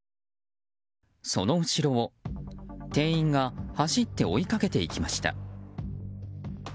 その後ろを、店員が走って追いかけていきました。